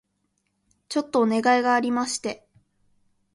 ちょっとお願いがありまして